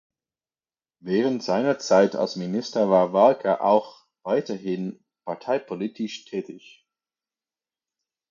Während seiner Zeit als Minister war Walker auch weiterhin parteipolitisch tätig.